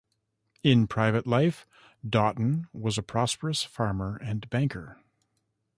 In private life, Doughton was a prosperous farmer and banker.